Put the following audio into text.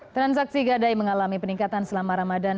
transaksi gadai mengalami peningkatan selama ramadan